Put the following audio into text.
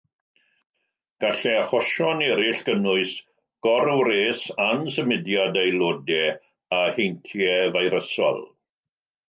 Gallai achosion eraill gynnwys: gorwres, ansymudiad aelodau a heintiau feirysol.